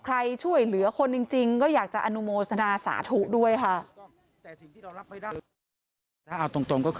ใครช่วยเหลือคนจริงก็อยากจะอนุโมทนาสาธุด้วยค่ะ